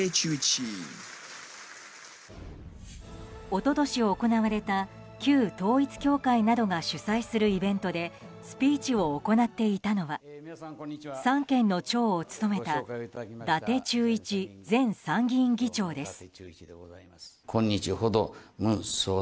一昨年、行われた旧統一教会などが主催するイベントでスピーチを行っていたのは三権の長を務めた伊達忠一前参議院議長です。